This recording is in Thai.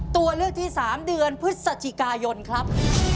ตัวเลือกที่๓เดือนพฤศจิกายนครับ